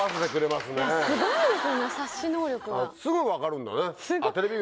すぐ分かるんだね。